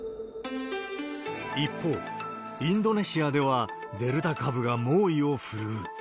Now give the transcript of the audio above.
一方、インドネシアではデルタ株が猛威を振るう。